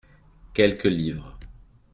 Quelques livres.